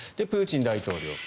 プーチン大統領。